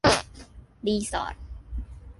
รีสอร์ท